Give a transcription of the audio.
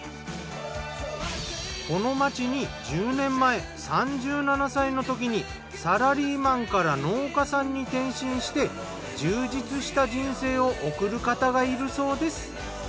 この街に１０年前３７歳のときにサラリーマンから農家さんに転身して充実した人生を送る方がいるそうです。